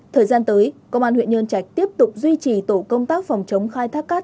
thời gian tới công an huyện nhân trạch tiếp tục duy trì tổ công tác phòng chống khai thác cát